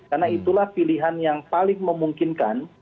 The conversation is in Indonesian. karena itulah pilihan yang paling memungkinkan